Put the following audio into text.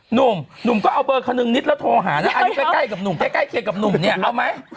หนุ่มหนุ่มก็เอาเบอร์ขนึงนิดแล้วโทรหานะอยู่ใกล้เขียนกับหนุ่มเนี่ยเอาไหม